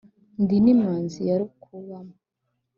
Ndi n'imanzi ya Rukubamo,